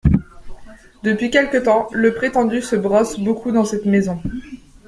Depuis quelque temps, le prétendu se brosse beaucoup dans cette maison !…